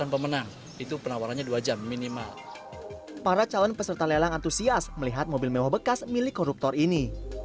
para calon peserta lelang antusias melihat mobil mewah bekas milik koruptor ini